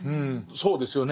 そうですよね。